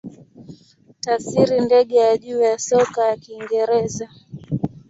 Tafsiri ndege ya juu ya soka ya Kiingereza.